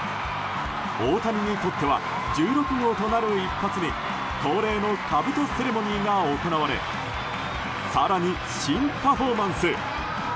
大谷にとっては１６号となる一発に恒例のかぶとセレモニーが行われ更に新パフォーマンス。